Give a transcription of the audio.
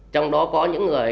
trong đó có những người